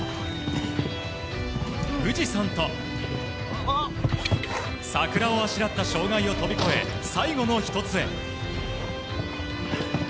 富士山と桜をあしらった障害を飛び越え最後の１つへ。